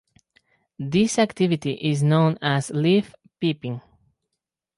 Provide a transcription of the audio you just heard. This activity is known as "leaf peeping".